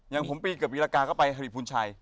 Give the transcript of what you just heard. อย่างผมปีเกือบปีรากาก็ไปฮริภูณชัย